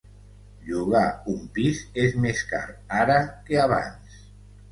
Llogar un pis és més car ara que abans